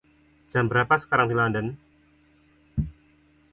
Jam berapa sekarang di London?